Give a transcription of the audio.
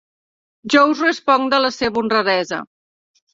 Jo us responc de la seva honradesa.